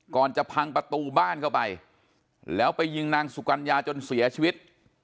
จะพังประตูบ้านเข้าไปแล้วไปยิงนางสุกัญญาจนเสียชีวิต